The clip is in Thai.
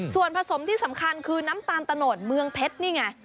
ส่วนผสมที่สำคัญคือน้ำตาลตะโนดเมืองเพชรนี่ไง